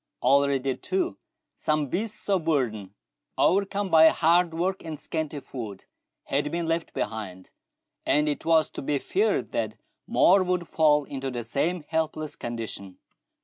Already, too, some beasts of burden, overcome by hard work and scanty food, had been left behind, and it was to be feared that more would fall into the same helpless condition.